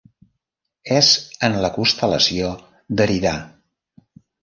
És en la constel·lació d'Eridà.